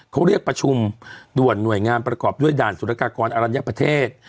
เขาเรียกประชุมด่วนหน่วยงานประกอบด้วยด่านสุรกากรอรัญญประเทศ